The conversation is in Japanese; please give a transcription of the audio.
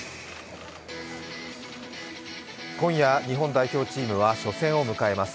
今夜、日本代表チームは初戦を迎えます。